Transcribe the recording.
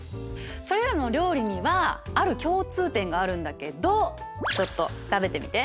それらの料理にはある共通点があるんだけどちょっと食べてみて。